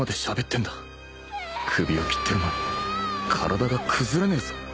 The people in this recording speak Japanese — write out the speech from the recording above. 首を斬ってるのに体が崩れねえぞ